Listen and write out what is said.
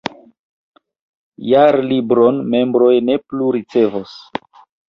Jarlibron membroj ne plu ricevos.